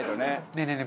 ねえねえね